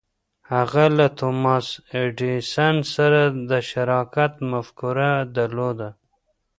هغه له توماس ایډېسن سره د شراکت مفکوره درلوده.